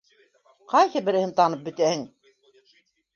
Ҡайһы береһен танып бөтәһең?